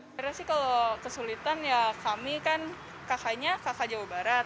sebenarnya sih kalau kesulitan ya kami kan kakaknya kakak jawa barat